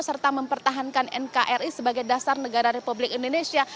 serta mempertahankan nkri sebagai dasar negara republik indonesia